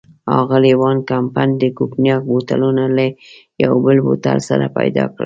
اغلې وان کمپن د کونیګاک بوتلونه له یو بل بوتل سره پيدا کړل.